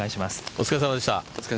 お疲れさまでした。